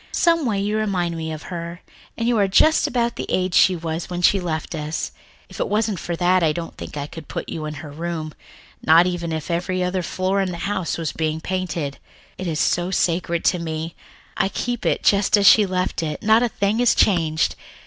Someway you remind me of her, and you are just about the age she was when she left us. If it wasn't for that, I don't think I could put you in her room, not even if every other floor in the house were being painted. It is so sacred to me. I keep it just as she left it, not a thing is changed.